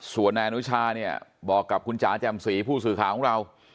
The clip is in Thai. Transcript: ส่วนนายอนุชาเนี่ยบอกกับคุณจ๋าแจ่มสีผู้สื่อข่าวของเรา